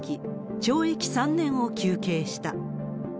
懲役３年を求刑した。